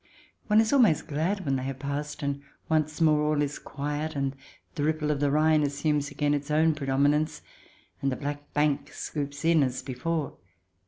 One is almost glad when they have passed, and once more all is quiet, and the ripple of the Rhine assumes again its own predominance, and the black bank scoops in as before.